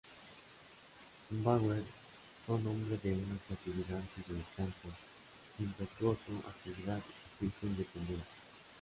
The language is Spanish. Bauer fue un hombre de una creatividad sin descanso, impetuosa actividad y juicio independiente.